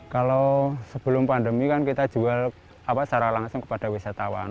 kalau sebelum pandemi kan kita jual secara langsung kepada wisatawan